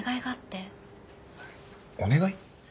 お願い？